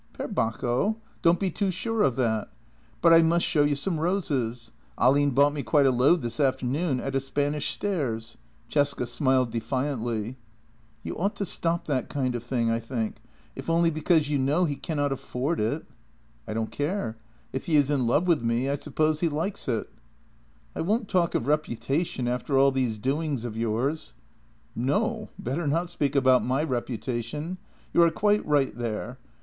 " Per Bacco. Don't be too sure of that. But I must show you some roses. Ahlin bought me quite a load this afternoon at a Spanish stairs." Cesca smiled defiantly. " You ought to stop that kind of thing, I think — if only be cause you know he cannot afford it." " I don't care. If he is in love with me, I suppose he likes it." JENNY 51 " I won't talk of reputation after all these doings of yours." " No, better not speak about my reputation. You are quite right there.